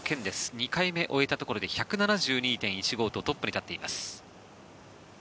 ２回目終えたところで１７２．１５とトップに立っています。